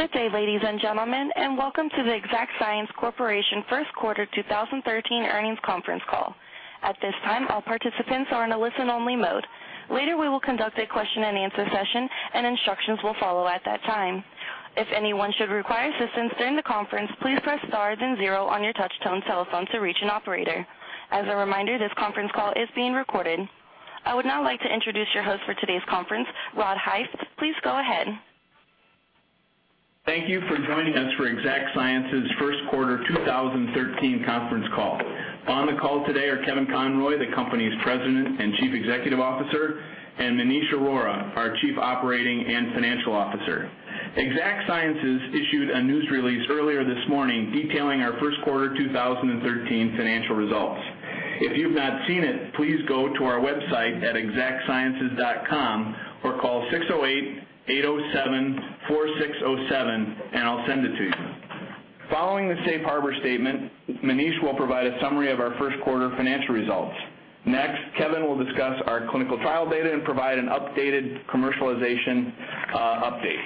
Good day, ladies and gentlemen, and welcome to the Exact Sciences Corporation first quarter 2013 earnings conference call. At this time, all participants are in a listen-only mode. Later, we will conduct a question-and-answer session, and instructions will follow at that time. If anyone should require assistance during the conference, please press star, then zero, on your touch-tone telephone to reach an operator. As a reminder, this conference call is being recorded. I would now like to introduce your host for today's conference, Rod Hise. Please go ahead. Thank you for joining us for Exact Sciences First Quarter 2013 Conference Call. On the call today are Kevin Conroy, the company's President and Chief Executive Officer, and Maneesh Arora, our Chief Operating and Financial Officer. Exact Sciences issued a news release earlier this morning detailing our First Quarter 2013 financial results. If you've not seen it, please go to our website at exactsciences.com or call 608-807-4607, and I'll send it to you. Following the safe harbor statement, Maneesh will provide a summary of our first quarter financial results. Next, Kevin will discuss our clinical trial data and provide an updated commercialization update.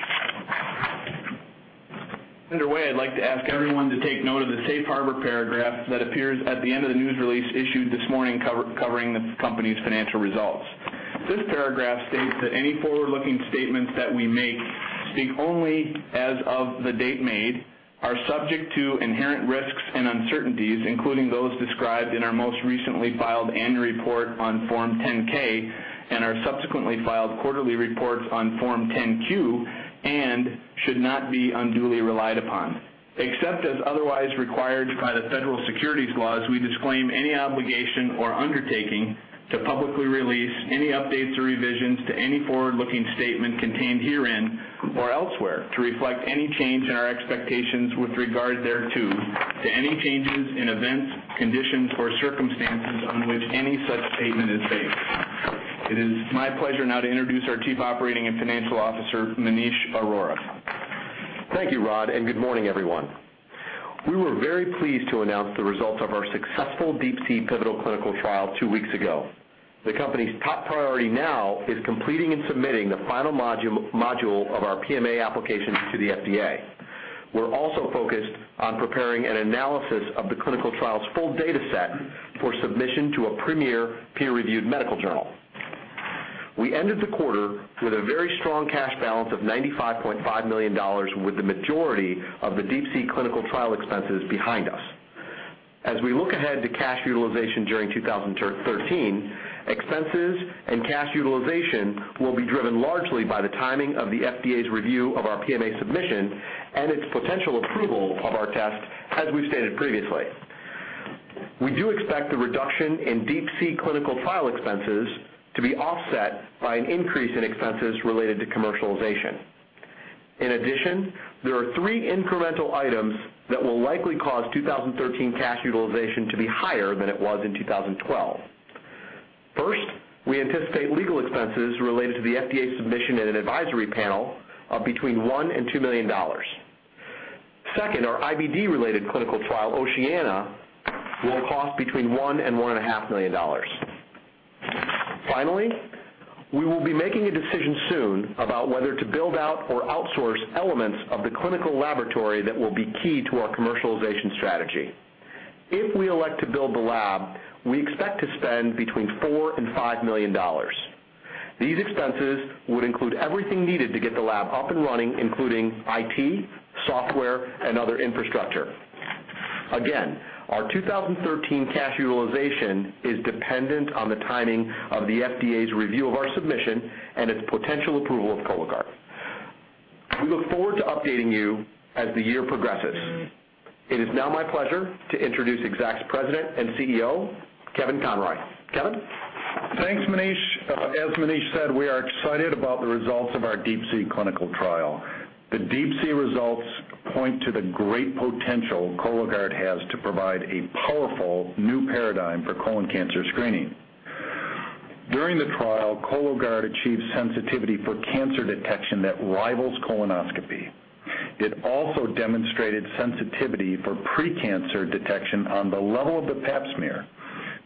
Underway, I'd like to ask everyone to take note of the safe harbor paragraph that appears at the end of the news release issued this morning covering the company's financial results. This paragraph states that any forward-looking statements that we make speak only as of the date made, are subject to inherent risks and uncertainties, including those described in our most recently filed annual report on Form 10-K, and our subsequently filed quarterly reports on Form 10-Q, and should not be unduly relied upon. Except as otherwise required by the federal securities laws, we disclaim any obligation or undertaking to publicly release any updates or revisions to any forward-looking statement contained herein or elsewhere to reflect any change in our expectations with regard thereto, to any changes in events, conditions, or circumstances on which any such statement is based. It is my pleasure now to introduce our Chief Operating and Financial Officer, Maneesh Arora. Thank you, Rod, and good morning, everyone. We were very pleased to announce the results of our successful DeeP-C pivotal clinical trial two weeks ago. The company's top priority now is completing and submitting the final module of our PMA application to the FDA. We're also focused on preparing an analysis of the clinical trial's full data set for submission to a premier peer-reviewed medical journal. We ended the quarter with a very strong cash balance of $95.5 million, with the majority of the DeeP-C clinical trial expenses behind us. As we look ahead to cash utilization during 2013, expenses and cash utilization will be driven largely by the timing of the FDA's review of our PMA submission and its potential approval of our test, as we've stated previously. We do expect the reduction in DeeP-C clinical trial expenses to be offset by an increase in expenses related to commercialization. In addition, there are three incremental items that will likely cause 2013 cash utilization to be higher than it was in 2012. First, we anticipate legal expenses related to the FDA submission and an advisory panel of between $1 million and $2 million. Second, our IBD-related clinical trial, Oceania, will cost between $1 million and $1.5 million. Finally, we will be making a decision soon about whether to build out or outsource elements of the clinical laboratory that will be key to our commercialization strategy. If we elect to build the lab, we expect to spend between $4 million and $5 million. These expenses would include everything needed to get the lab up and running, including IT, software, and other infrastructure. Again, our 2013 cash utilization is dependent on the timing of the FDA's review of our submission and its potential approval of Cologuard. We look forward to updating you as the year progresses. It is now my pleasure to introduce Exact's President and CEO, Kevin Conroy. Kevin? Thanks, Maneesh. As Maneesh said, we are excited about the results of our DeeP-C clinical trial. The DeeP-C results point to the great potential Cologuard has to provide a powerful new paradigm for colon cancer screening. During the trial, Cologuard achieved sensitivity for cancer detection that rivals colonoscopy. It also demonstrated sensitivity for precancer detection on the level of the Pap smear,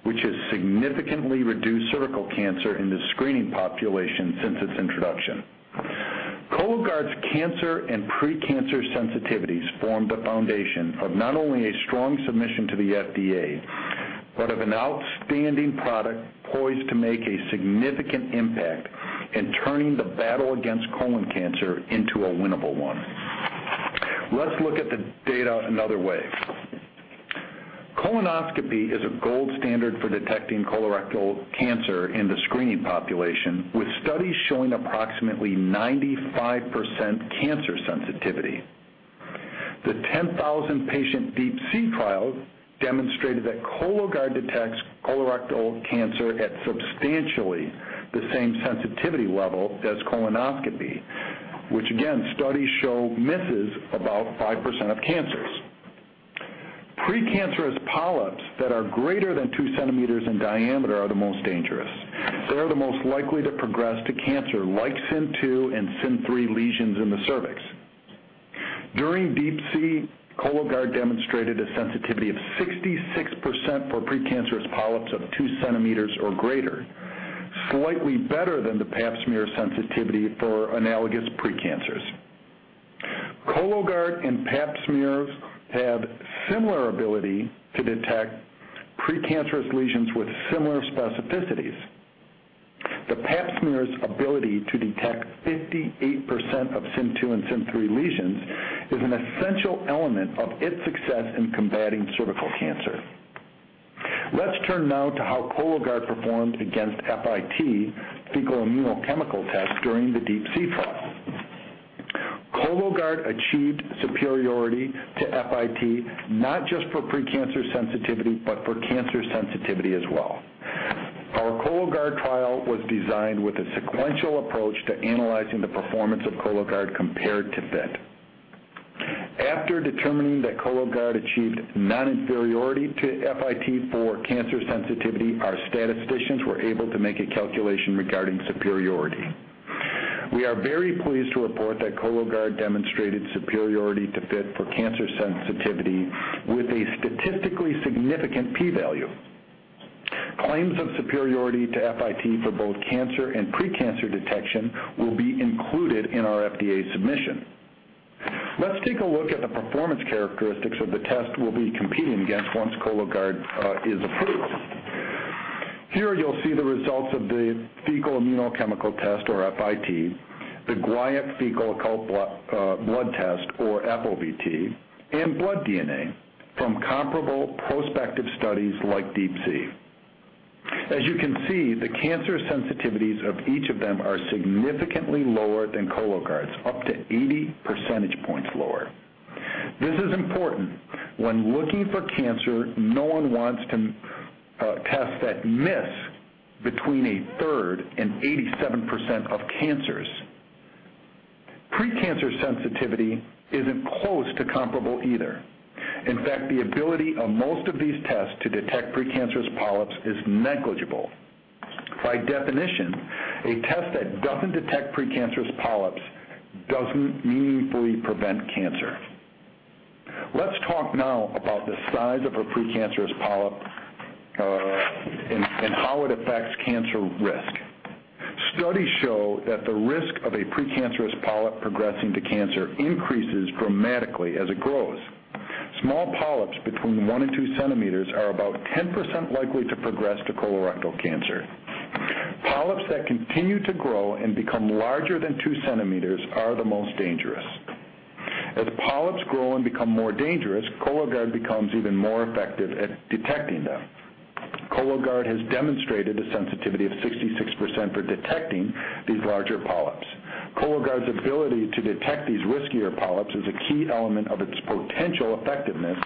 which has significantly reduced cervical cancer in the screening population since its introduction. Cologuard's cancer and precancer sensitivities form the foundation of not only a strong submission to the FDA, but of an outstanding product poised to make a significant impact in turning the battle against colon cancer into a winnable one. Let's look at the data another way. Colonoscopy is a gold standard for detecting colorectal cancer in the screening population, with studies showing approximately 95% cancer sensitivity. The 10,000-patient DeeP-C trial demonstrated that Cologuard detects colorectal cancer at substantially the same sensitivity level as colonoscopy, which, again, studies show misses about 5% of cancers. Precancerous polyps that are greater than 2 centimeters in diameter are the most dangerous. They are the most likely to progress to cancer-like CIN2 and CIN3 lesions in the cervix. During DeeP-C, Cologuard demonstrated a sensitivity of 66% for precancerous polyps of 2 cm or greater, slightly better than the Pap smear sensitivity for analogous precancers. Cologuard and Pap smears have similar ability to detect precancerous lesions with similar specificities. The Pap smear's ability to detect 58% of CIN2 and CIN3 lesions is an essential element of its success in combating cervical cancer. Let's turn now to how Cologuard performed against FIT, fecal immunochemical test, during the DeeP-C trial. Cologuard achieved superiority to FIT not just for precancerous sensitivity, but for cancer sensitivity as well. Our Cologuard trial was designed with a sequential approach to analyzing the performance of Cologuard compared to FIT. After determining that Cologuard achieved non-inferiority to FIT for cancer sensitivity, our statisticians were able to make a calculation regarding superiority. We are very pleased to report that Cologuard demonstrated superiority to FIT for cancer sensitivity with a statistically significant p-value. Claims of superiority to FIT for both cancer and precancer detection will be included in our FDA submission. Let's take a look at the performance characteristics of the test we'll be competing against once Cologuard is approved. Here you'll see the results of the fecal immunochemical test, or FIT, the guaiac fecal occult blood test, or FOBT, and blood DNA from comparable prospective studies like DeeP-C. As you can see, the cancer sensitivities of each of them are significantly lower than Cologuard's, up to 80 percentage points lower. This is important. When looking for cancer, no one wants a test that misses between a third and 87% of cancers. Precancer sensitivity is not close to comparable either. In fact, the ability of most of these tests to detect precancerous polyps is negligible. By definition, a test that does not detect precancerous polyps does not meaningfully prevent cancer. Let's talk now about the size of a precancerous polyp and how it affects cancer risk. Studies show that the risk of a precancerous polyp progressing to cancer increases dramatically as it grows. Small polyps between one and two cm are about 10% likely to progress to colorectal cancer. Polyps that continue to grow and become larger than two cm are the most dangerous. As polyps grow and become more dangerous, Cologuard becomes even more effective at detecting them. Cologuard has demonstrated a sensitivity of 66% for detecting these larger polyps. Cologuard's ability to detect these riskier polyps is a key element of its potential effectiveness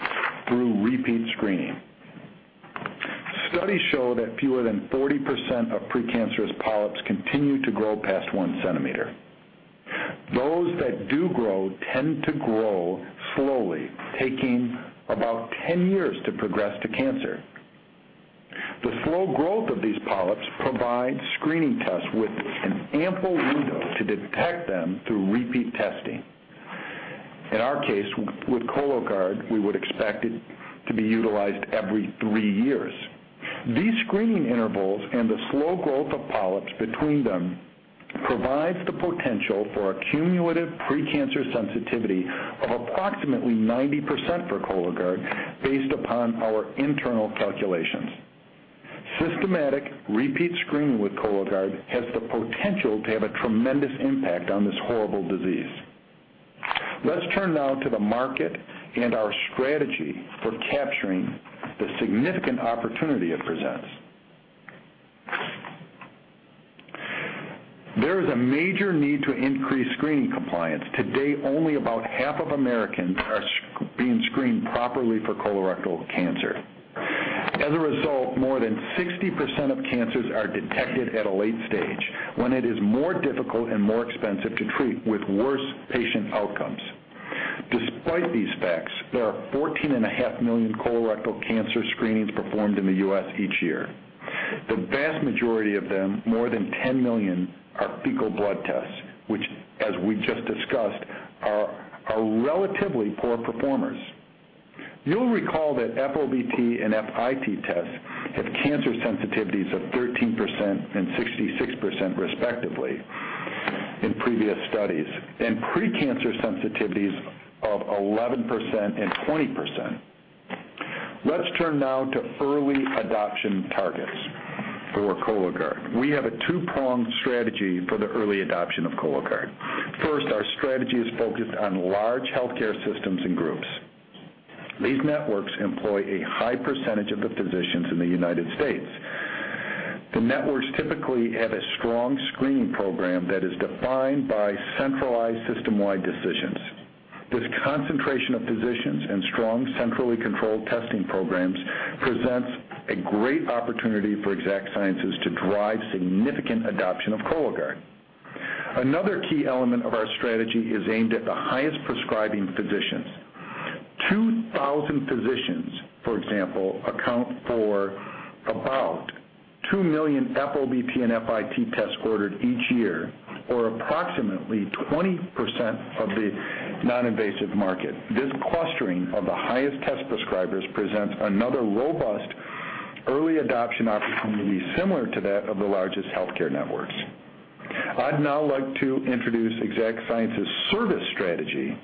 through repeat screening. Studies show that fewer than 40% of precancerous polyps continue to grow past one cm. Those that do grow tend to grow slowly, taking about 10 years to progress to cancer. The slow growth of these polyps provides screening tests with an ample window to detect them through repeat testing. In our case, with Cologuard, we would expect it to be utilized every three years. These screening intervals and the slow growth of polyps between them provide the potential for a cumulative precancerous sensitivity of approximately 90% for Cologuard, based upon our internal calculations. Systematic repeat screening with Cologuard has the potential to have a tremendous impact on this horrible disease. Let's turn now to the market and our strategy for capturing the significant opportunity it presents. There is a major need to increase screening compliance. Today, only about half of Americans are being screened properly for colorectal cancer. As a result, more than 60% of cancers are detected at a late stage, when it is more difficult and more expensive to treat, with worse patient outcomes. Despite these facts, there are 14.5 million colorectal cancer screenings performed in the U.S. each year. The vast majority of them, more than 10 million, are fecal blood tests, which, as we just discussed, are relatively poor performers. You'll recall that FOBT and FIT tests have cancer sensitivities of 13% and 66%, respectively, in previous studies, and precancerous sensitivities of 11% and 20%. Let's turn now to early adoption targets for Cologuard. We have a two-pronged strategy for the early adoption of Cologuard. First, our strategy is focused on large healthcare systems and groups. These networks employ a high percentage of the physicians in the United States. The networks typically have a strong screening program that is defined by centralized system-wide decisions. This concentration of physicians and strong centrally controlled testing programs presents a great opportunity for Exact Sciences to drive significant adoption of Cologuard. Another key element of our strategy is aimed at the highest prescribing physicians. 2,000 physicians, for example, account for about 2 million FOBT and FIT tests ordered each year, or approximately 20% of the non-invasive market. This clustering of the highest test prescribers presents another robust early adoption opportunity similar to that of the largest healthcare networks. I'd now like to introduce Exact Sciences' service strategy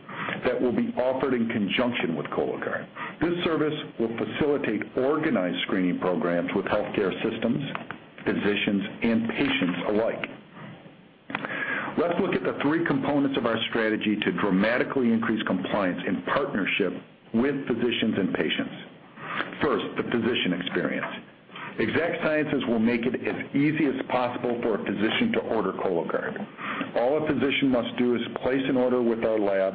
that will be offered in conjunction with Cologuard. This service will facilitate organized screening programs with healthcare systems, physicians, and patients alike. Let's look at the three components of our strategy to dramatically increase compliance in partnership with physicians and patients. First, the physician experience. Exact Sciences will make it as easy as possible for a physician to order Cologuard. All a physician must do is place an order with our lab.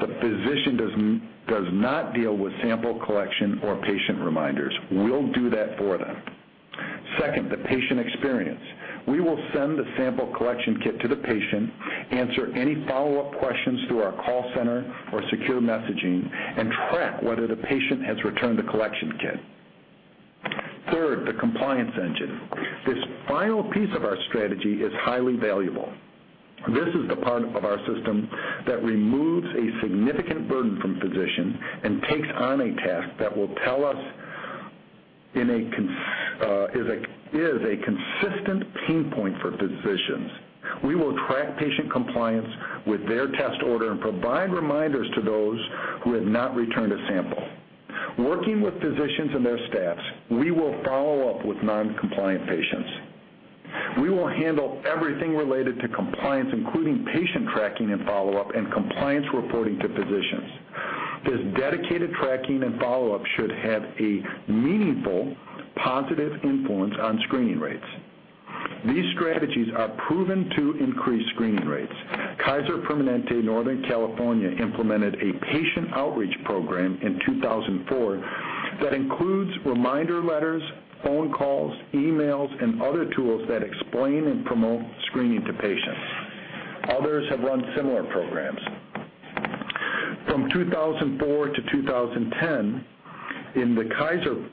The physician does not deal with sample collection or patient reminders. We'll do that for them. Second, the patient experience. We will send the sample collection kit to the patient, answer any follow-up questions through our call center or secure messaging, and track whether the patient has returned the collection kit. Third, the compliance engine. This final piece of our strategy is highly valuable. This is the part of our system that removes a significant burden from physicians and takes on a task that will tell us is a consistent pain point for physicians. We will track patient compliance with their test order and provide reminders to those who have not returned a sample. Working with physicians and their staffs, we will follow up with non-compliant patients. We will handle everything related to compliance, including patient tracking and follow-up and compliance reporting to physicians. This dedicated tracking and follow-up should have a meaningful positive influence on screening rates. These strategies are proven to increase screening rates. Kaiser Permanente, Northern California, implemented a patient outreach program in 2004 that includes reminder letters, phone calls, emails, and other tools that explain and promote screening to patients. Others have run similar programs. From 2004 to 2010, in the Kaiser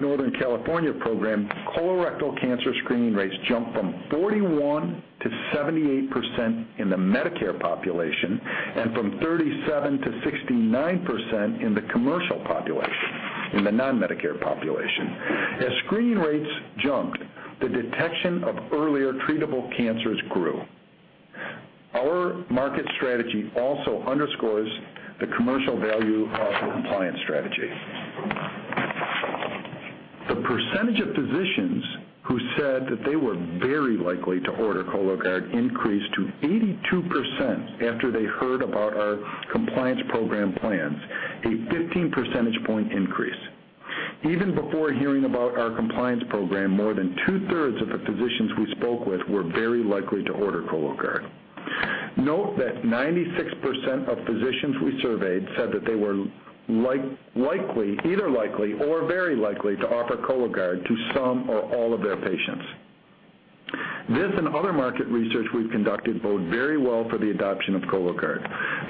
Northern California program, colorectal cancer screening rates jumped from 41% to 78% in the Medicare population and from 37% to 69% in the commercial population, in the non-Medicare population. As screening rates jumped, the detection of earlier treatable cancers grew. Our market strategy also underscores the commercial value of the compliance strategy. The percentage of physicians who said that they were very likely to order Cologuard increased to 82% after they heard about our compliance program plans, a 15 percentage point increase. Even before hearing about our compliance program, more than two-thirds of the physicians we spoke with were very likely to order Cologuard. Note that 96% of physicians we surveyed said that they were either likely or very likely to offer Cologuard to some or all of their patients. This and other market research we've conducted bode very well for the adoption of Cologuard.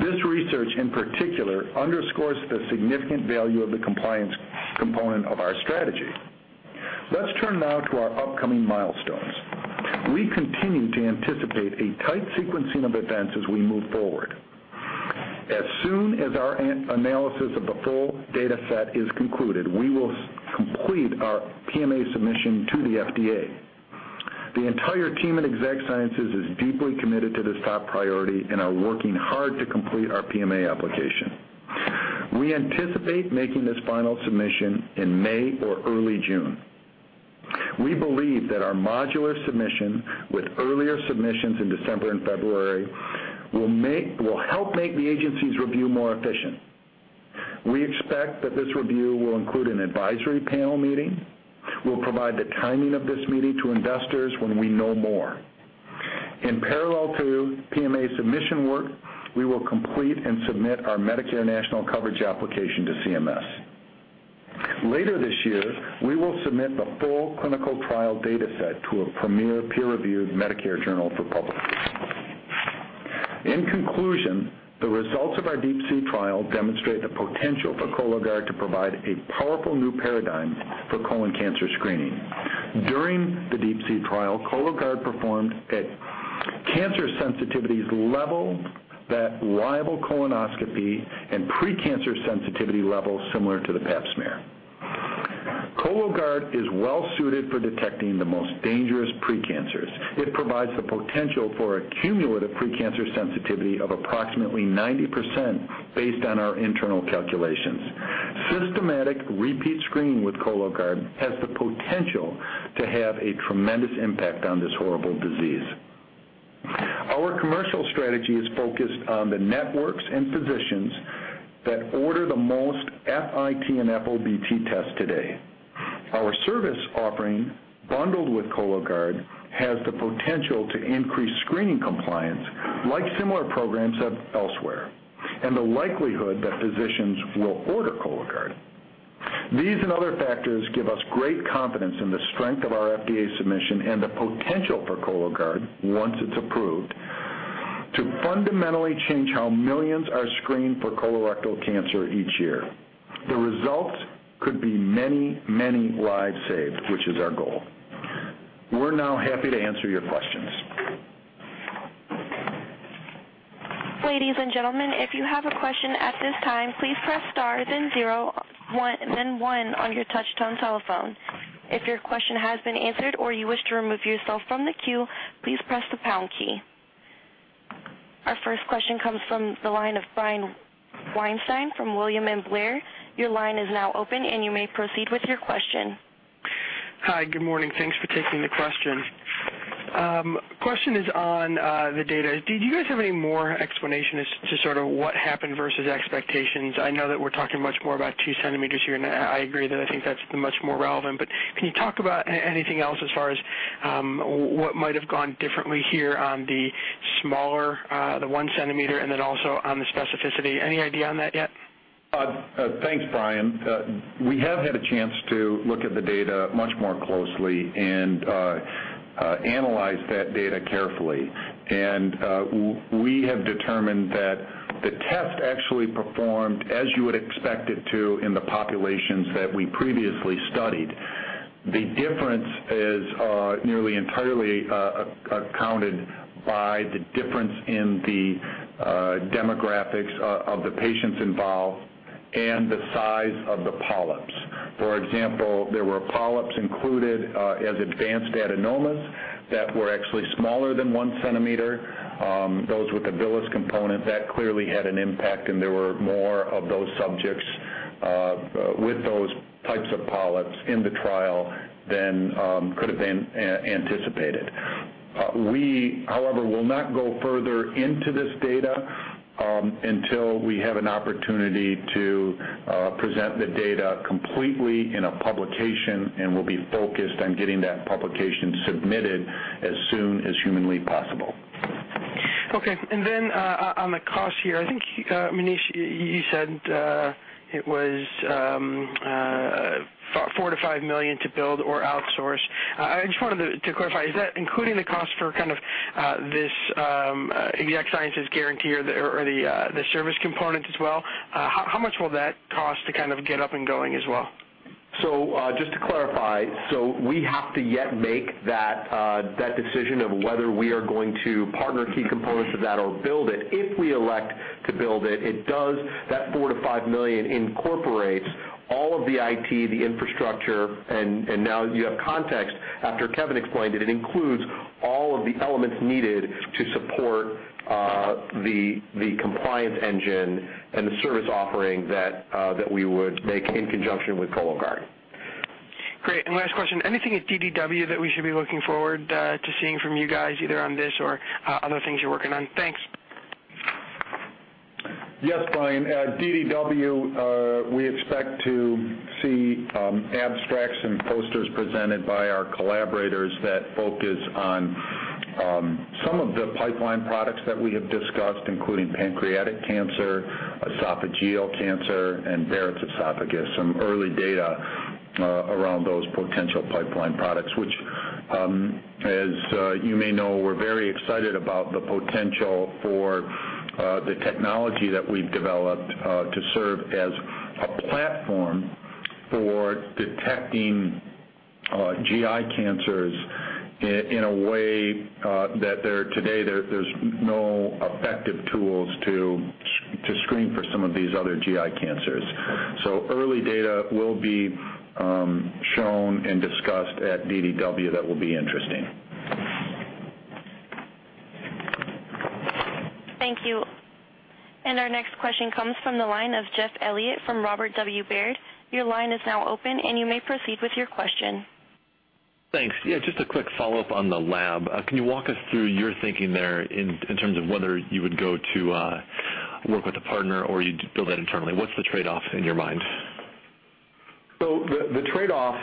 This research, in particular, underscores the significant value of the compliance component of our strategy. Let's turn now to our upcoming milestones. We continue to anticipate a tight sequencing of events as we move forward. As soon as our analysis of the full data set is concluded, we will complete our PMA submission to the FDA. The entire team at Exact Sciences is deeply committed to this top priority and are working hard to complete our PMA application. We anticipate making this final submission in May or early June. We believe that our modular submission, with earlier submissions in December and February, will help make the agency's review more efficient. We expect that this review will include an advisory panel meeting. We'll provide the timing of this meeting to investors when we know more. In parallel to PMA submission work, we will complete and submit our Medicare National Coverage application to CMS. Later this year, we will submit the full clinical trial data set to a premier peer-reviewed Medicare journal for publication. In conclusion, the results of our DeeP-C trial demonstrate the potential for Cologuard to provide a powerful new paradigm for colon cancer screening. During the DeeP-C trial, Cologuard performed at cancer sensitivities level that rival colonoscopy and precancer sensitivity levels similar to the Pap smear. Cologuard is well-suited for detecting the most dangerous precancers. It provides the potential for a cumulative precancer sensitivity of approximately 90% based on our internal calculations. Systematic repeat screening with Cologuard has the potential to have a tremendous impact on this horrible disease. Our commercial strategy is focused on the networks and physicians that order the most FIT and FOBT tests today. Our service offering, bundled with Cologuard, has the potential to increase screening compliance, like similar programs elsewhere, and the likelihood that physicians will order Cologuard. These and other factors give us great confidence in the strength of our FDA submission and the potential for Cologuard, once it's approved, to fundamentally change how millions are screened for colorectal cancer each year. The results could be many, many lives saved, which is our goal. We're now happy to answer your questions. Ladies and gentlemen, if you have a question at this time, please press star then zero, then one on your touch-tone telephone. If your question has been answered or you wish to remove yourself from the queue, please press the pound key. Our first question comes from the line of Brian Weinstein from William Blair. Your line is now open, and you may proceed with your question. Hi, good morning. Thanks for taking the question. Question is on the data. Did you guys have any more explanation as to sort of what happened versus expectations? I know that we're talking much more about two cm here, and I agree that I think that's much more relevant. Can you talk about anything else as far as what might have gone differently here on the smaller, the one centimeter, and then also on the specificity? Any idea on that yet? Thanks, Brian. We have had a chance to look at the data much more closely and analyze that data carefully. We have determined that the test actually performed as you would expect it to in the populations that we previously studied. The difference is nearly entirely accounted by the difference in the demographics of the patients involved and the size of the polyps. For example, there were polyps included as advanced adenomas that were actually smaller than one cm, those with the villous component that clearly had an impact, and there were more of those subjects with those types of polyps in the trial than could have been anticipated. We, however, will not go further into this data until we have an opportunity to present the data completely in a publication, and we'll be focused on getting that publication submitted as soon as humanly possible. Okay. And then on the cost here, I think, Maneesh, you said it was $4 million-$5 million to build or outsource. I just wanted to clarify, is that including the cost for kind of this Exact Sciences guarantee or the service component as well? How much will that cost to kind of get up and going as well? Just to clarify, we have yet to make that decision of whether we are going to partner key components of that or build it. If we elect to build it, that $4 million-$5 million incorporates all of the IT, the infrastructure, and now you have context. After Kevin explained it, it includes all of the elements needed to support the compliance engine and the service offering that we would make in conjunction with Cologuard. Great. Last question, anything at DDW that we should be looking forward to seeing from you guys either on this or other things you are working on? Thanks. Yes, Brian. At DDW, we expect to see abstracts and posters presented by our collaborators that focus on some of the pipeline products that we have discussed, including pancreatic cancer, esophageal cancer, and Barrett's esophagus, some early data around those potential pipeline products, which, as you may know, we're very excited about the potential for the technology that we've developed to serve as a platform for detecting GI cancers in a way that today there's no effective tools to screen for some of these other GI cancers. Early data will be shown and discussed at DDW that will be interesting. Thank you. Our next question comes from the line of Jeff Elliott from Robert W. Baird. Your line is now open, and you may proceed with your question. Thanks. Yeah, just a quick follow-up on the lab. Can you walk us through your thinking there in terms of whether you would go to work with a partner or you'd build that internally? What's the trade-off in your mind? The trade-off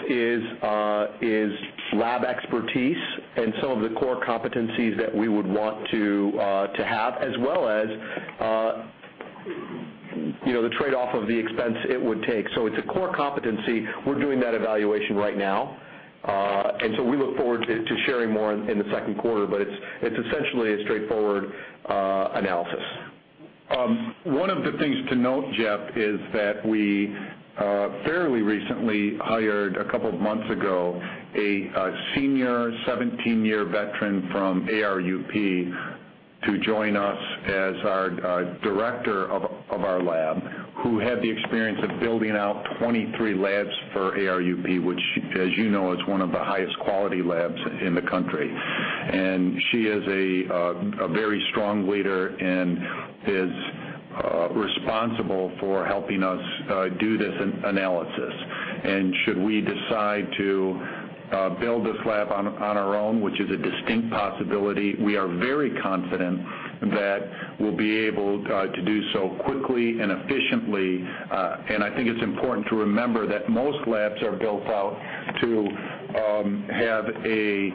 is lab expertise and some of the core competencies that we would want to have, as well as the trade-off of the expense it would take. It's a core competency. We're doing that evaluation right now. We look forward to sharing more in the second quarter, but it's essentially a straightforward analysis. One of the things to note, Jeff, is that we fairly recently hired, a couple of months ago, a senior 17-year veteran from ARUP to join us as our director of our lab, who had the experience of building out 23 labs for ARUP, which, as you know, is one of the highest quality labs in the country. She is a very strong leader and is responsible for helping us do this analysis. Should we decide to build this lab on our own, which is a distinct possibility, we are very confident that we will be able to do so quickly and efficiently. I think it is important to remember that most labs are built out to have a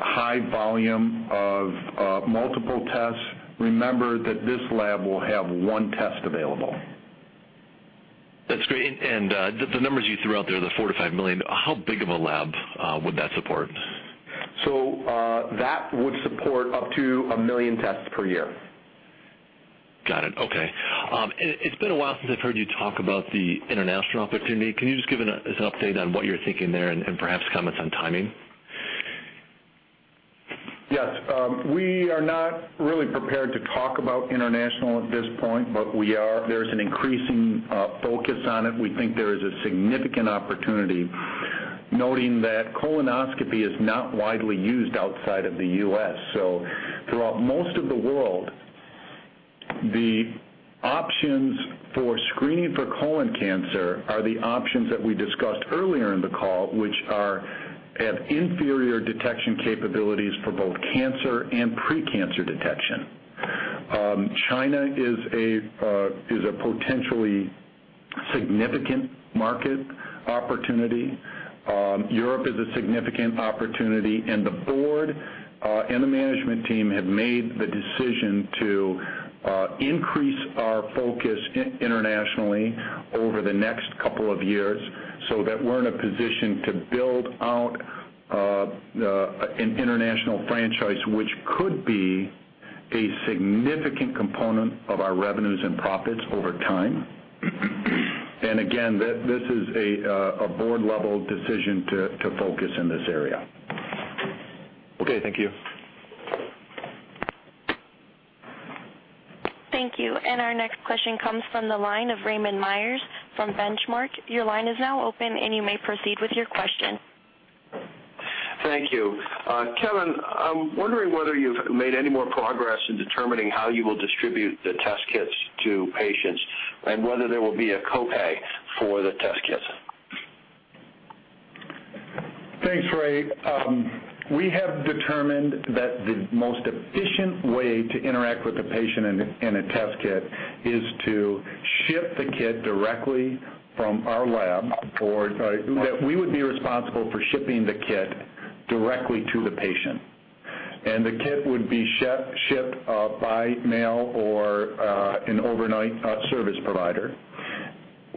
high volume of multiple tests. Remember that this lab will have one test available. That is great. The numbers you threw out there, the $4 million-$5 million, how big of a lab would that support? That would support up to 1 million tests per year. Got it. It has been a while since I have heard you talk about the international opportunity. Can you just give us an update on what you are thinking there and perhaps comments on timing? Yes. We are not really prepared to talk about international at this point, but there is an increasing focus on it. We think there is a significant opportunity, noting that colonoscopy is not widely used outside of the U.S. Throughout most of the world, the options for screening for colon cancer are the options that we discussed earlier in the call, which have inferior detection capabilities for both cancer and precancer detection. China is a potentially significant market opportunity. Europe is a significant opportunity. The board and the management team have made the decision to increase our focus internationally over the next couple of years so that we are in a position to build out an international franchise, which could be a significant component of our revenues and profits over time. This is a board-level decision to focus in this area. Okay. Thank you. Thank you. Our next question comes from the line of Raymond Myers from Benchmark, your line is now open and may proceed with your question, Thank you. Kevin, I'm wondering whether you've made any more progress in determining how you will distribute the test kits to patients and whether there will be a copay for the test kits. Thanks, Ray. We have determined that the most efficient way to interact with the patient in a test kit is to ship the kit directly from our lab, or that we would be responsible for shipping the kit directly to the patient. The kit would be shipped by mail or an overnight service provider.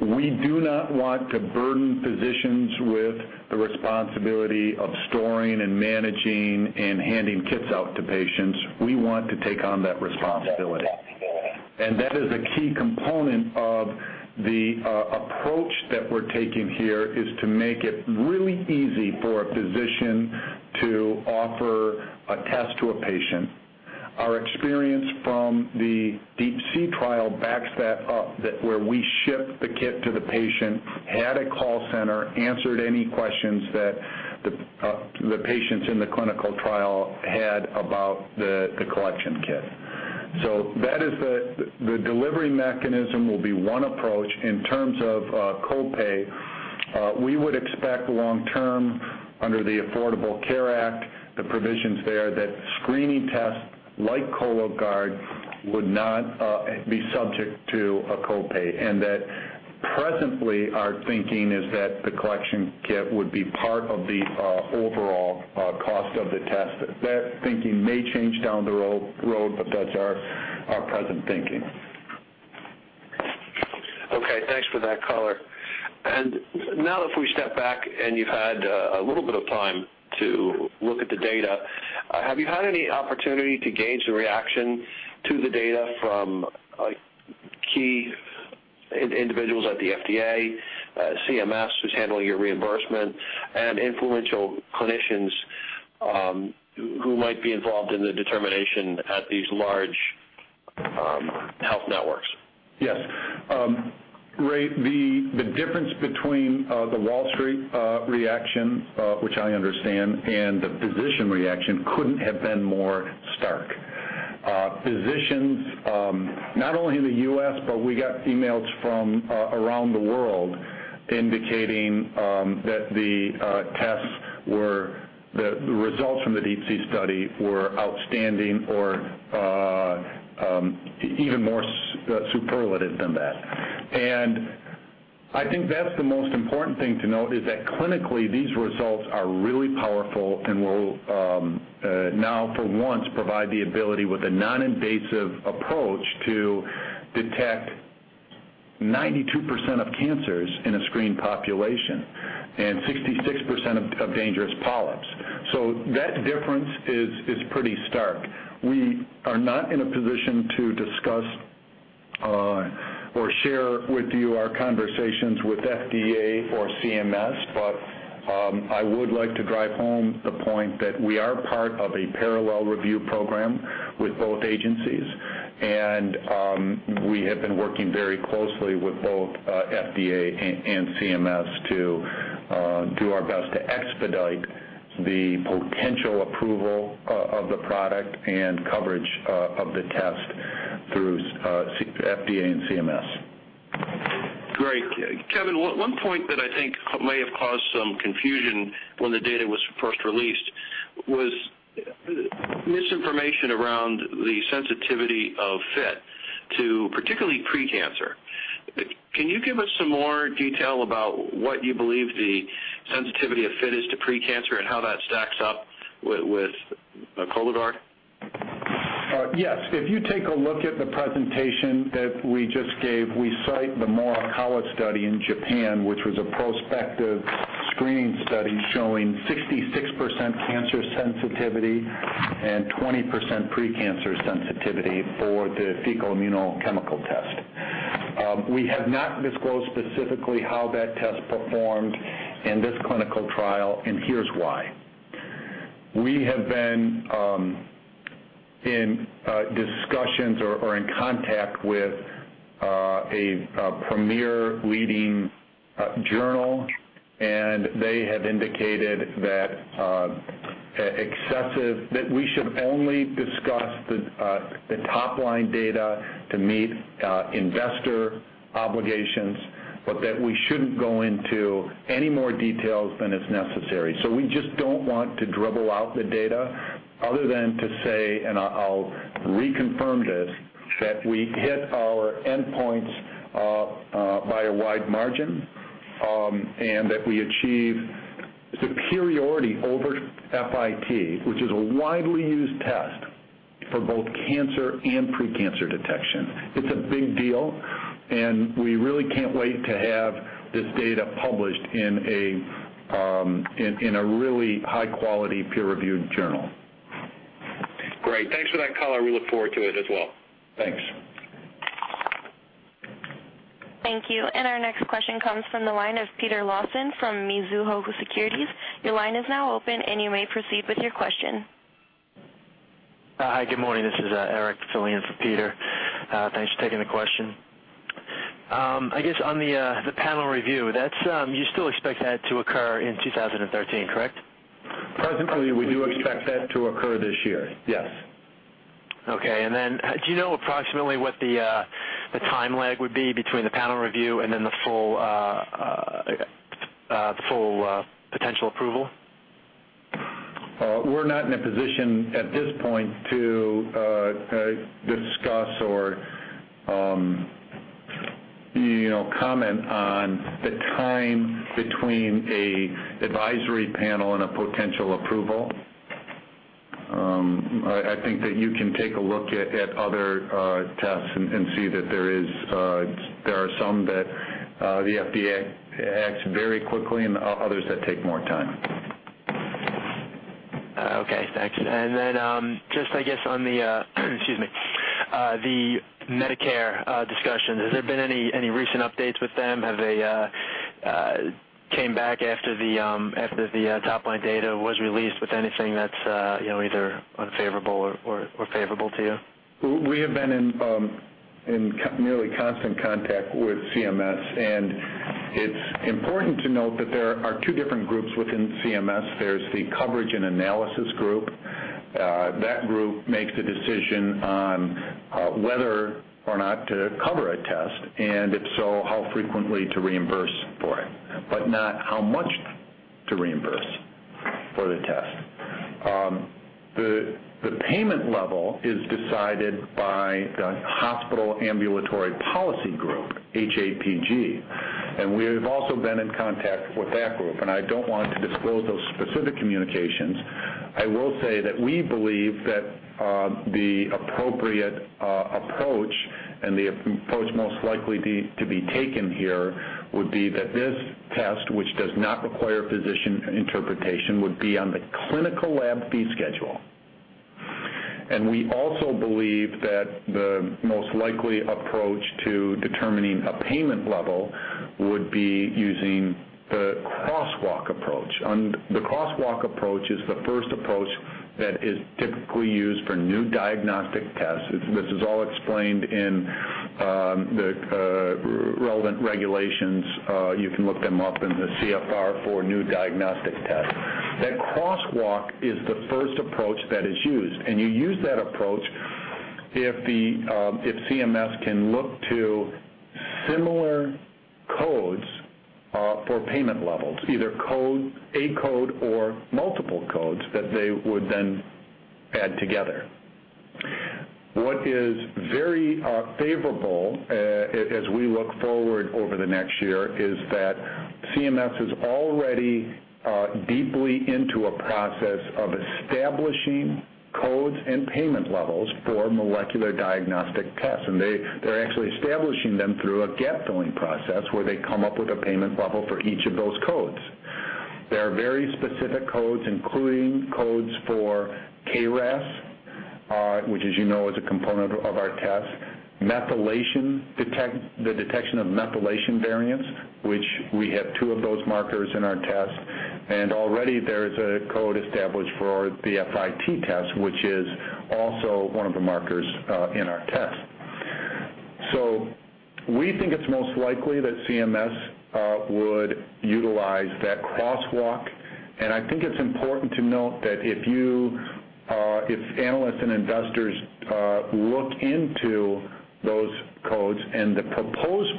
We do not want to burden physicians with the responsibility of storing and managing and handing kits out to patients. We want to take on that responsibility. That is a key component of the approach that we're taking here, to make it really easy for a physician to offer a test to a patient. Our experience from the DeeP-C trial backs that up, where we ship the kit to the patient, had a call center, answered any questions that the patients in the clinical trial had about the collection kit. The delivery mechanism will be one approach. In terms of copay, we would expect long-term, under the Affordable Care Act, the provisions there that screening tests like Cologuard would not be subject to a copay. Presently, our thinking is that the collection kit would be part of the overall cost of the test. That thinking may change down the road, but that's our present thinking. Okay. Thanks for that, Color. Now that we step back and you've had a little bit of time to look at the data, have you had any opportunity to gauge the reaction to the data from key individuals at the FDA, CMS, who's handling your reimbursement, and influential clinicians who might be involved in the determination at these large health networks? Yes. Ray, the difference between the Wall Street reaction, which I understand, and the physician reaction could not have been more stark. Physicians, not only in the U.S., but we got emails from around the world indicating that the tests were, the results from the DeeP-C study were outstanding or even more superlative than that. I think that's the most important thing to note, is that clinically, these results are really powerful and will now, for once, provide the ability with a non-invasive approach to detect 92% of cancers in a screened population and 66% of dangerous polyps. That difference is pretty stark. We are not in a position to discuss or share with you our conversations with FDA or CMS, but I would like to drive home the point that we are part of a parallel review program with both agencies. We have been working very closely with both FDA and CMS to do our best to expedite the potential approval of the product and coverage of the test through FDA and CMS. Great. Kevin, one point that I think may have caused some confusion when the data was first released was misinformation around the sensitivity of FIT to particularly precancer. Can you give us some more detail about what you believe the sensitivity of FIT is to precancer and how that stacks up with Cologuard? Yes. If you take a look at the presentation that we just gave, we cite the Morikawa study in Japan, which was a prospective screening study showing 66% cancer sensitivity and 20% precancer sensitivity for the fecal immunochemical test. We have not disclosed specifically how that test performed in this clinical trial, and here's why. We have been in discussions or in contact with a premier leading journal, and they have indicated that we should only discuss the top-line data to meet investor obligations, but that we shouldn't go into any more details than is necessary. We just do not want to dribble out the data other than to say, and I will reconfirm this, that we hit our endpoints by a wide margin and that we achieve superiority over FIT, which is a widely used test for both cancer and precancer detection. It is a big deal, and we really cannot wait to have this data published in a really high-quality peer-reviewed journal. Great. Thanks for that, Color. We look forward to it as well. Thanks. Thank you. Our next question comes from the line of Peter Lawson from Mizuho Securities. Your line is now open, and you may proceed with your question. Hi, good morning. This is Eric filling in for Peter. Thanks for taking the question. I guess on the panel review, you still expect that to occur in 2013, correct? Presently, we do expect that to occur this year. Yes. Okay. Do you know approximately what the time lag would be between the panel review and then the full potential approval? We're not in a position at this point to discuss or comment on the time between an advisory panel and a potential approval. I think that you can take a look at other tests and see that there are some that the FDA acts very quickly and others that take more time. Okay. Thanks. I guess, on the—excuse me—the Medicare discussions, has there been any recent updates with them? Have they come back after the top-line data was released with anything that's either unfavorable or favorable to you? We have been in nearly constant contact with CMS, and it's important to note that there are two different groups within CMS. There's the coverage and analysis group. That group makes a decision on whether or not to cover a test. If so, how frequently to reimburse for it, but not how much to reimburse for the test. The payment level is decided by the Hospital Ambulatory Policy Group, HAPG. We have also been in contact with that group, and I do not want to disclose those specific communications. I will say that we believe that the appropriate approach and the approach most likely to be taken here would be that this test, which does not require physician interpretation, would be on the clinical lab fee schedule. We also believe that the most likely approach to determining a payment level would be using the crosswalk approach. The crosswalk approach is the first approach that is typically used for new diagnostic tests. This is all explained in the relevant regulations. You can look them up in the CFR for new diagnostic tests. That crosswalk is the first approach that is used. You use that approach if CMS can look to similar codes for payment levels, either a code or multiple codes that they would then add together. What is very favorable as we look forward over the next year is that CMS is already deeply into a process of establishing codes and payment levels for molecular diagnostic tests. They are actually establishing them through a gap-filling process where they come up with a payment level for each of those codes. There are very specific codes, including codes for KRAS, which, as you know, is a component of our test, the detection of methylation variants, which we have two of those markers in our test. There is already a code established for the FIT test, which is also one of the markers in our test. We think it's most likely that CMS would utilize that crosswalk. I think it's important to note that if analysts and investors look into those codes and the proposed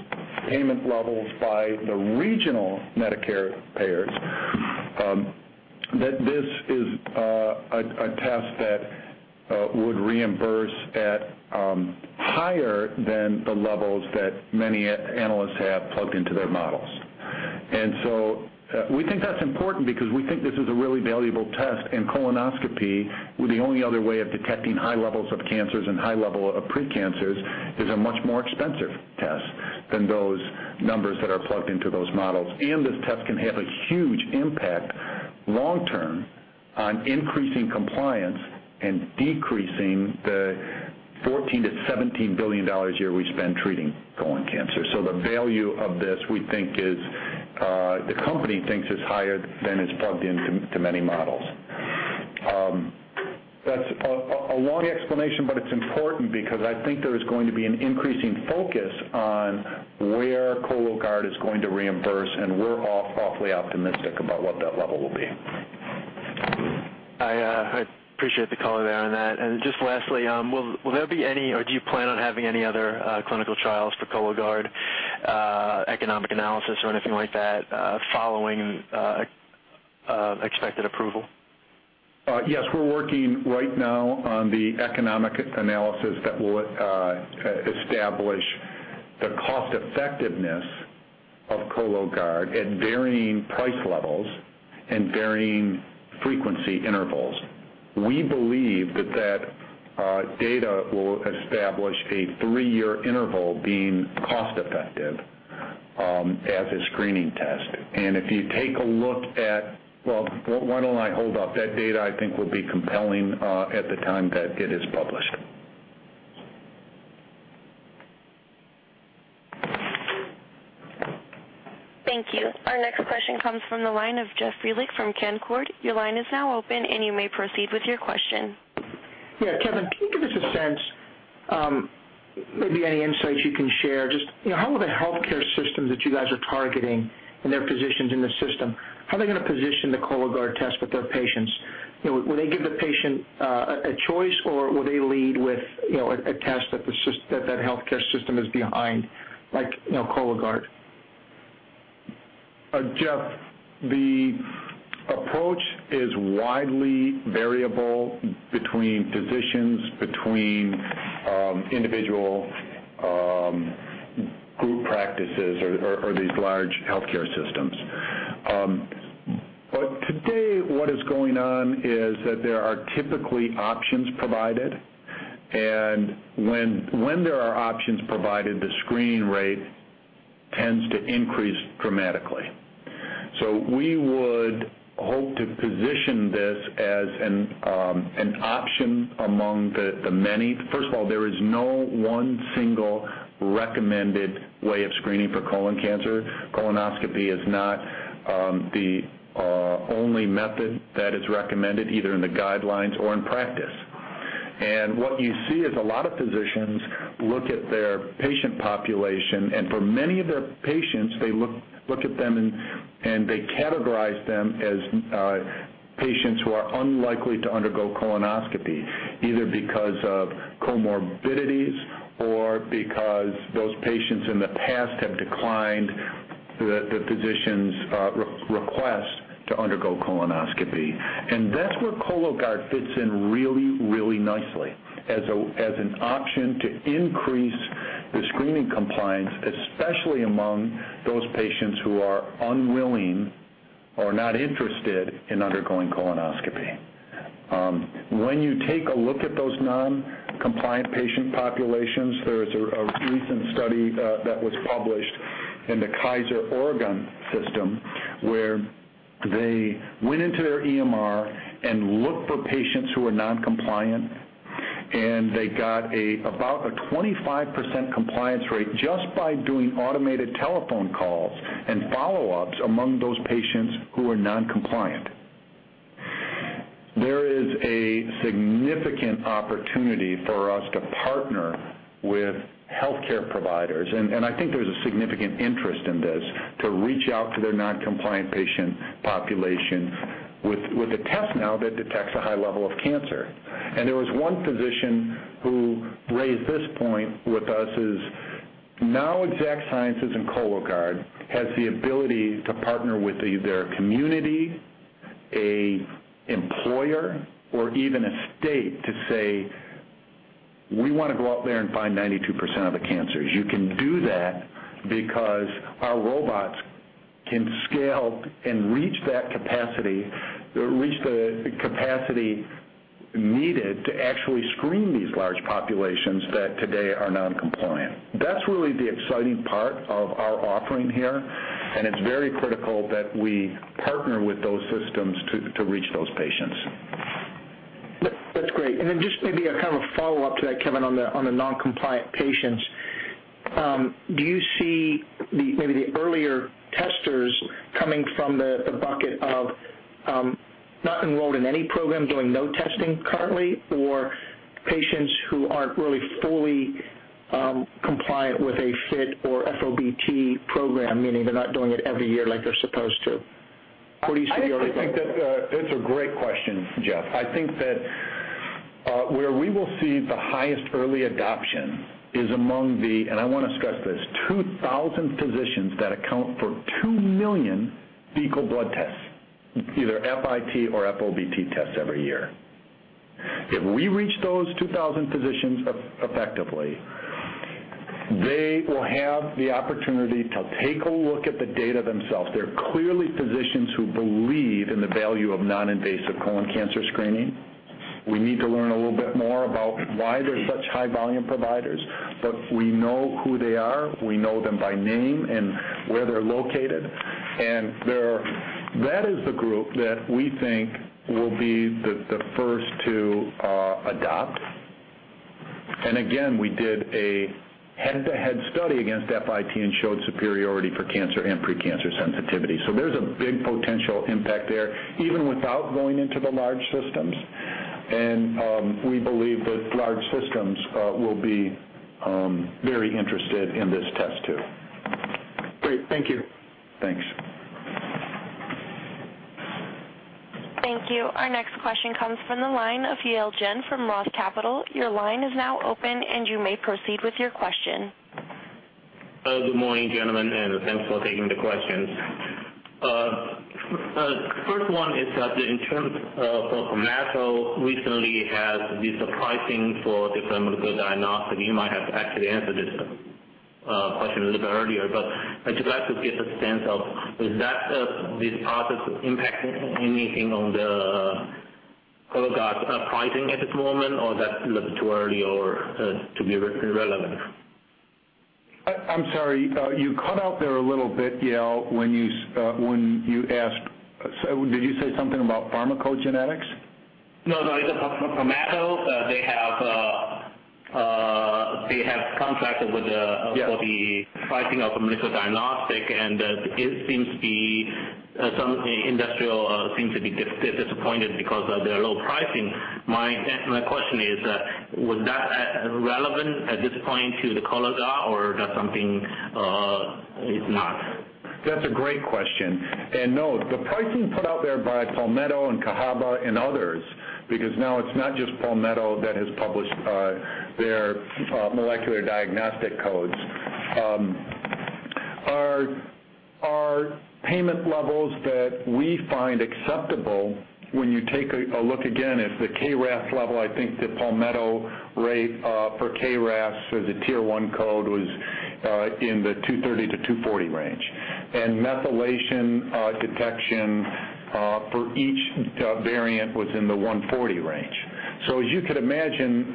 payment levels by the regional Medicare payers, this is a test that would reimburse at higher than the levels that many analysts have plugged into their models. We think that's important because we think this is a really valuable test. Colonoscopy, the only other way of detecting high levels of cancers and high levels of precancers, is a much more expensive test than those numbers that are plugged into those models. This test can have a huge impact long-term on increasing compliance and decreasing the $14 billion-$17 billion a year we spend treating colon cancer. The value of this, we think, is the company thinks is higher than is plugged into many models. That is a long explanation, but it is important because I think there is going to be an increasing focus on where Cologuard is going to reimburse, and we are awfully optimistic about what that level will be. I appreciate the color there on that. Just lastly, will there be any or do you plan on having any other clinical trials for Cologuard, economic analysis, or anything like that following expected approval? Yes. We are working right now on the economic analysis that will establish the cost-effectiveness of Cologuard at varying price levels and varying frequency intervals. We believe that that data will establish a three-year interval being cost-effective as a screening test. If you take a look at—why don't I hold up? That data, I think, will be compelling at the time that it is published. Thank you. Our next question comes from the line of Jeffrey Frelick from Canaccord Genuity. Your line is now open, and you may proceed with your question. Yeah. Kevin, can you give us a sense—maybe any insights you can share? Just how will the healthcare systems that you guys are targeting and their physicians in the system, how are they going to position the Cologuard test with their patients? Will they give the patient a choice, or will they lead with a test that that healthcare system is behind, like Cologuard? Jeff, the approach is widely variable between physicians, between individual group practices, or these large healthcare systems. Today, what is going on is that there are typically options provided. When there are options provided, the screening rate tends to increase dramatically. We would hope to position this as an option among the many. First of all, there is no one single recommended way of screening for colon cancer. Colonoscopy is not the only method that is recommended, either in the guidelines or in practice. What you see is a lot of physicians look at their patient population, and for many of their patients, they look at them and they categorize them as patients who are unlikely to undergo colonoscopy, either because of comorbidities or because those patients in the past have declined the physician's request to undergo colonoscopy. That is where Cologuard fits in really, really nicely as an option to increase the screening compliance, especially among those patients who are unwilling or not interested in undergoing colonoscopy. When you take a look at those non-compliant patient populations, there is a recent study that was published in the Kaiser Oregon system where they went into their EMR and looked for patients who are non-compliant, and they got about a 25% compliance rate just by doing automated telephone calls and follow-ups among those patients who are non-compliant. There is a significant opportunity for us to partner with healthcare providers, and I think there is a significant interest in this to reach out to their non-compliant patient population with a test now that detects a high level of cancer. There was one physician who raised this point with us: now Exact Sciences and Cologuard has the ability to partner with either a community, an employer, or even a state to say, "We want to go out there and find 92% of the cancers." You can do that because our robots can scale and reach that capacity, reach the capacity needed to actually screen these large populations that today are non-compliant. That is really the exciting part of our offering here, and it is very critical that we partner with those systems to reach those patients. That is great. Just maybe a kind of a follow-up to that, Kevin, on the non-compliant patients. Do you see maybe the earlier testers coming from the bucket of not enrolled in any program, doing no testing currently, or patients who aren't really fully compliant with a FIT or FOBT program, meaning they're not doing it every year like they're supposed to? Where do you see the early— I think that it's a great question, Jeff. I think that where we will see the highest early adoption is among the—and I want to stress this—2,000 physicians that account for 2 million fecal blood tests, either FIT or FOBT tests every year. If we reach those 2,000 physicians effectively, they will have the opportunity to take a look at the data themselves. They're clearly physicians who believe in the value of non-invasive colon cancer screening. We need to learn a little bit more about why they're such high-volume providers, but we know who they are. We know them by name and where they're located. That is the group that we think will be the first to adopt. Again, we did a head-to-head study against FIT and showed superiority for cancer and precancer sensitivity. There is a big potential impact there, even without going into the large systems. We believe that large systems will be very interested in this test too. Great. Thank you. Thanks. Thank you. Our next question comes from the line of Yale Jen from Roth Capital. Your line is now open, and you may proceed with your question. Good morning, gentlemen, and thanks for taking the questions. First one is that in terms of NASA recently has these pricing for different diagnostics. You might have actually answered this question a little bit earlier, but I'd like to get a sense of, is this process impacting anything on the Cologuard pricing at this moment, or is that a little bit too early or to be irrelevant? I'm sorry. You cut out there a little bit, Yale, when you asked—did you say something about pharmacogenetics? No, no. For NASA, they have contracted with the pricing of medical diagnostics, and it seems to be some industry seems to be disappointed because of their low pricing. My question is, was that relevant at this point to the Cologuard, or is that something it's not? That's a great question. No, the pricing put out there by Palmetto and Cahaba and others, because now it's not just Palmetto that has published their molecular diagnostic codes. Our payment levels that we find acceptable, when you take a look again, is the KRAS level. I think the Palmetto rate for KRAS as a tier one code was in the $230-$240 range. And methylation detection for each variant was in the $140 range. As you could imagine,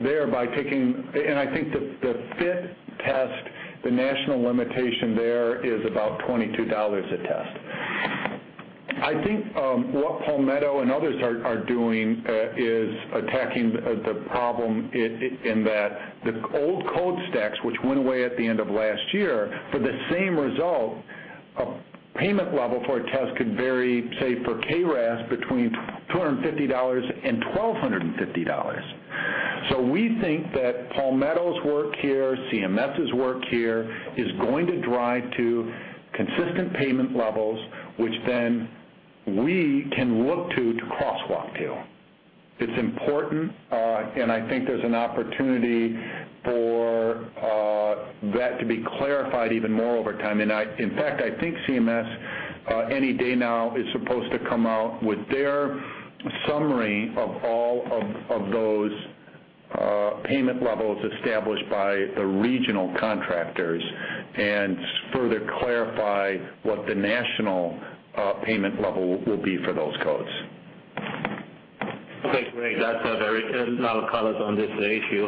thereby taking—I think the FIT test, the national limitation there is about $22 a test. I think what Palmetto and others are doing is attacking the problem in that the old code stacks, which went away at the end of last year, for the same result, a payment level for a test could vary, say, for KRAS between $250 and $1,250. We think that Palmetto's work here, CMS's work here, is going to drive to consistent payment levels, which then we can look to, to crosswalk to. It's important, and I think there's an opportunity for that to be clarified even more over time. In fact, I think CMS, any day now, is supposed to come out with their summary of all of those payment levels established by the regional contractors and further clarify what the national payment level will be for those codes. Okay. Great. That's a very lot of colors on this issue.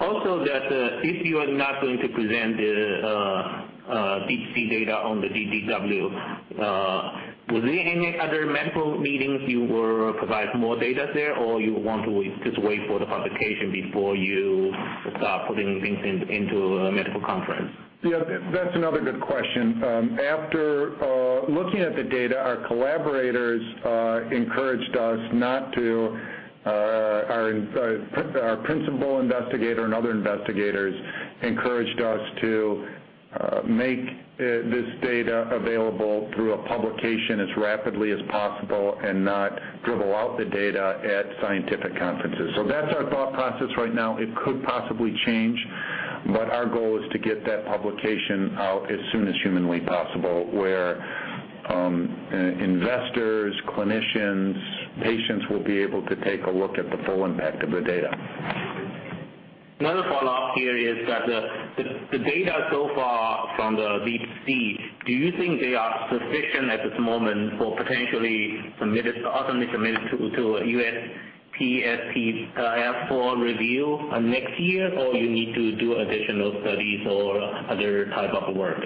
Also, if you are not going to present the DTC data at the DDW, was there any other medical meetings you were providing more data there, or do you want to just wait for the publication before you start putting things into a medical conference? Yeah. That's another good question. After looking at the data, our collaborators encouraged us not to—our principal investigator and other investigators encouraged us to make this data available through a publication as rapidly as possible and not dribble out the data at scientific conferences. That is our thought process right now. It could possibly change, but our goal is to get that publication out as soon as humanly possible, where investors, clinicians, patients will be able to take a look at the full impact of the data. Another follow-up here is that the data so far from the DTC, do you think they are sufficient at this moment for potentially automatically submitted to a USPSTF for review next year, or you need to do additional studies or other type of work?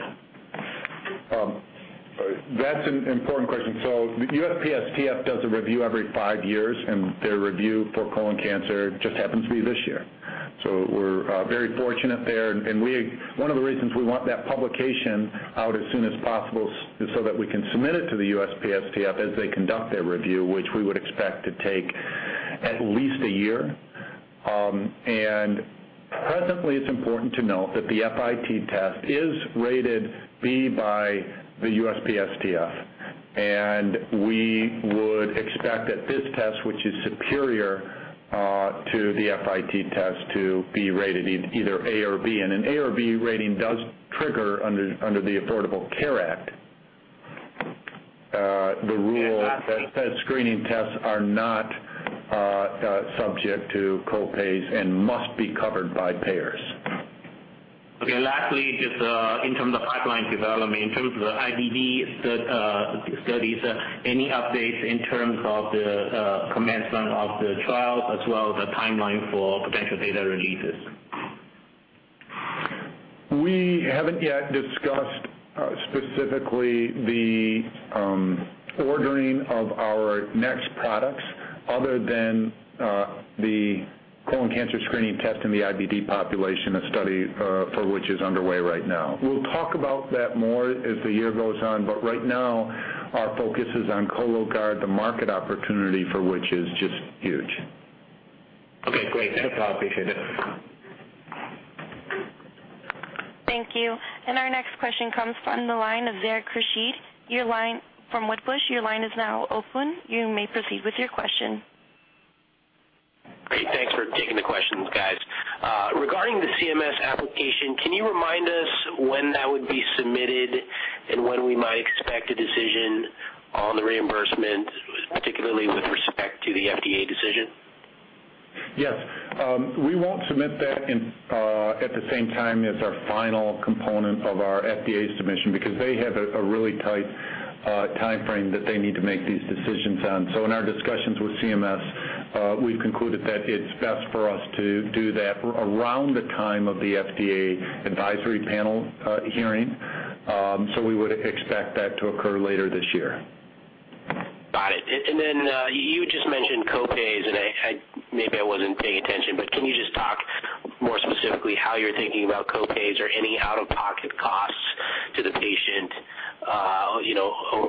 That is an important question. The USPSTF does a review every five years, and their review for colon cancer just happens to be this year. We are very fortunate there. One of the reasons we want that publication out as soon as possible is so that we can submit it to the USPSTF as they conduct their review, which we would expect to take at least a year. Presently, it is important to note that the FIT test is rated B by the USPSTF. We would expect that this test, which is superior to the FIT test, to be rated either A or B. An A or B rating does trigger, under the Affordable Care Act, the rule that says screening tests are not subject to co-pays and must be covered by payers. Okay. Lastly, just in terms of pipeline development, in terms of the IDD studies, any updates in terms of the commencement of the trials, as well as the timeline for potential data releases? We haven't yet discussed specifically the ordering of our next products other than the colon cancer screening test in the IDD population, a study for which is underway right now. We'll talk about that more as the year goes on, but right now, our focus is on Cologuard, the market opportunity for which is just huge. Okay. Great. Thanks. I appreciate it. Thank you. Our next question comes from the line of Zarak Khurshid from Wedbush. Your line is now open. You may proceed with your question. Great. Thanks for taking the questions, guys. Regarding the CMS application, can you remind us when that would be submitted and when we might expect a decision on the reimbursement, particularly with respect to the FDA decision? Yes. We will not submit that at the same time as our final component of our FDA submission because they have a really tight timeframe that they need to make these decisions on. In our discussions with CMS, we have concluded that it is best for us to do that around the time of the FDA advisory panel hearing. We would expect that to occur later this year. Got it. You just mentioned co-pays, and maybe I was not paying attention, but can you just talk more specifically how you are thinking about co-pays or any out-of-pocket costs to the patient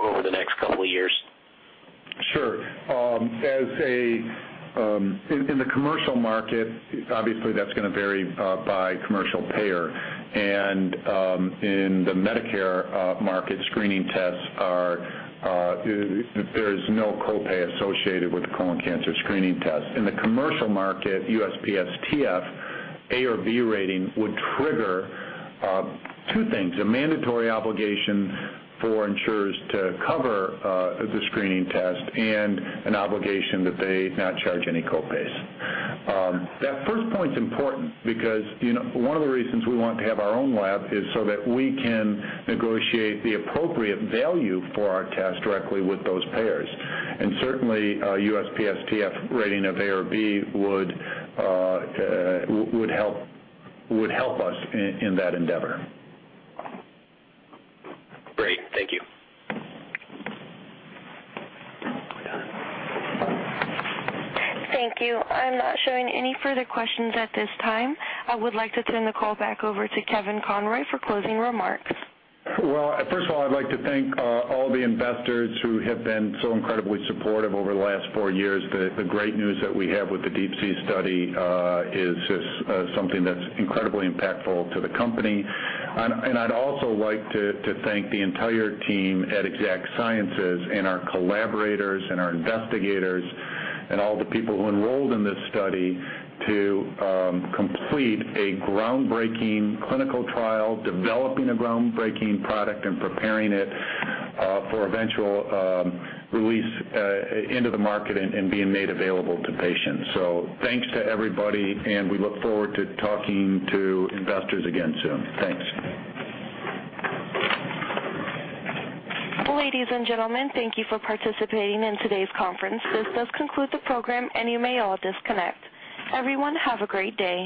over the next couple of years? Sure. In the commercial market, obviously, that is going to vary by commercial payer. In the Medicare market, screening tests are, there is no co-pay associated with the colon cancer screening test. In the commercial market, USPSTF A or B rating would trigger two things: a mandatory obligation for insurers to cover the screening test and an obligation that they not charge any co-pays. That first point's important because one of the reasons we want to have our own lab is so that we can negotiate the appropriate value for our test directly with those payers. Certainly, USPSTF rating of A or B would help us in that endeavor. Thank you. Thank you. I'm not showing any further questions at this time. I would like to turn the call back over to Kevin Conroy for closing remarks. First of all, I'd like to thank all the investors who have been so incredibly supportive over the last four years. The great news that we have with the DTC study is just something that's incredibly impactful to the company. I'd also like to thank the entire team at Exact Sciences and our collaborators and our investigators and all the people who enrolled in this study to complete a groundbreaking clinical trial, developing a groundbreaking product, and preparing it for eventual release into the market and being made available to patients. Thanks to everybody, and we look forward to talking to investors again soon. Thanks. Ladies and gentlemen, thank you for participating in today's conference. This does conclude the program, and you may all disconnect. Everyone, have a great day.